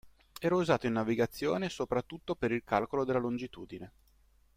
Era usato in navigazione soprattutto per il calcolo della longitudine.